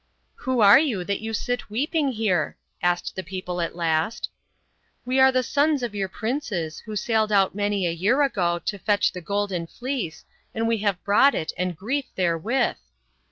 "'Who are you that you sit weeping here?' asked the people at last. " c We are the sons of your princes, who sailed out many a year ago, to fetch the Golden Fleece, and we have brought it and grief therewith.